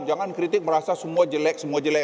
jangan kritik merasa semua jelek semua jelek